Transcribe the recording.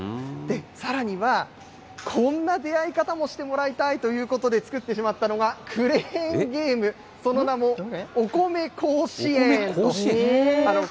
さらには、こんな出会い方もしてもらいたいということで、作ってしまったのがクレーンゲーム、その名もおこめ甲子園。